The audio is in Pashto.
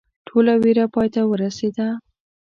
ټوله ویره پای ته ورسېده.